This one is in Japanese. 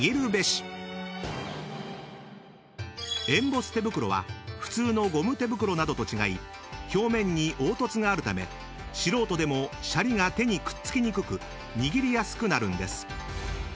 ［エンボス手袋は普通のゴム手袋などと違い表面に凹凸があるため素人でもシャリが手にくっつきにくく握りやすくなるんです］